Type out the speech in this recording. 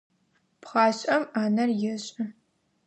Пхъашӏэм ӏанэр ешӏы.